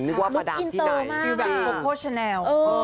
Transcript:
นึกว่ามาดำที่ไหนลูกอินเตอร์มากคือแบบโปรโปรชาแนล